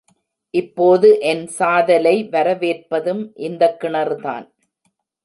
இப்போது என் சாதலை வரவேற்பதும் இந்தக் கிணறு தான்.